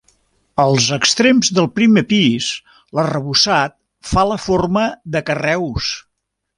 Als extrems del primer pis, l'arrebossat fa la forma de carreus.